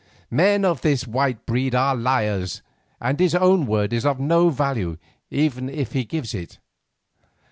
Men of this white breed are liars, and his own word is of no value even if he gives it.